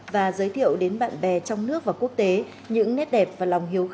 và giới thiệu đến bạn bè trong nước và quốc tế những nét đẹp và lòng yêu